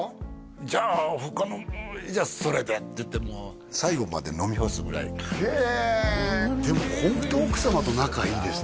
じゃあ他のじゃあそれでって言ってもう最後まで飲み干すぐらいへえでもホント奥様と仲いいですね